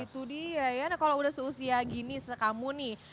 itu dia ya kalau sudah seusia gini sekamu nih